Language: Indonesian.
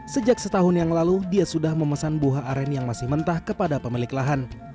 sejak setahun yang lalu dia sudah memesan buah aren yang masih mentah kepada pemilik lahan